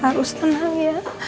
harus tenang ya